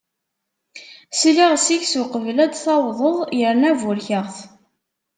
Sliɣ seg-s uqbel ad d-tawdeḍ, yerna burkeɣ-t.